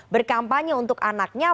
berkampanye untuk anaknya